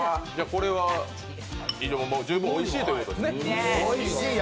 これは十分おいしいということですね。